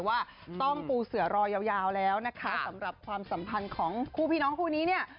ว่าต้องปูเสือรอยาวแล้วนะคะสำหรับความสัมพันธ์ของคู่พี่น้องคู่นี้เนี่ย